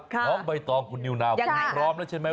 น้องใบต้องคุณนิ้วนาวพร้อมแล้วใช่มั้ย